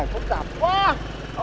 phức tạp quá